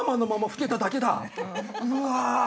うわ！